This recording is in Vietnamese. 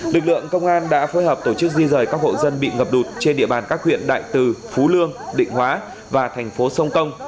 lực lượng công an đã phối hợp tổ chức di rời các hộ dân bị ngập lụt trên địa bàn các huyện đại từ phú lương định hóa và thành phố sông công